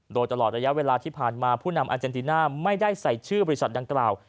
โดยตลอดระยะเวลาที่ผ่านมาผู้นำอาเจนติน่าไม่ได้ใส่ชื่อบริษัทดังกล่าว